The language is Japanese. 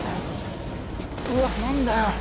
うわっなんだよ！？